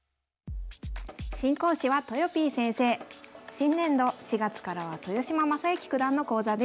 新年度４月からは豊島将之九段の講座です。